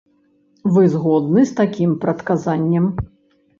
Вы згодны з такім прадказаннем?